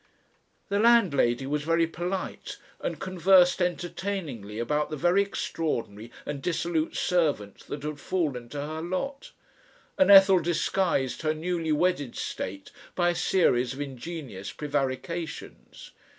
The landlady was very polite and conversed entertainingly about the very extraordinary and dissolute servants that had fallen to her lot. And Ethel disguised her newly wedded state by a series of ingenious prevarications.